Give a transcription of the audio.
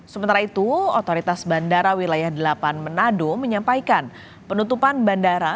sementara itu otoritas bandara wilayah delapan manado menyampaikan penutupan bandara